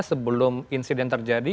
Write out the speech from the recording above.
sebelum insiden terjadi